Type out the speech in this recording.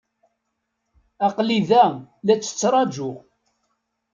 Aql-i da la tt-ttṛajuɣ.